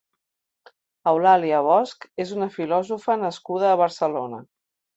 Eulàlia Bosch és una filòsofa nascuda a Barcelona.